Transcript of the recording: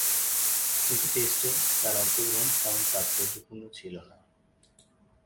কিন্তু টেস্টে তার অংশগ্রহণ তেমন তাৎপর্যপূর্ণ ছিল না।